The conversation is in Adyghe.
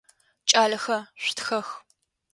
Кӏалэхэ, шъутхэх!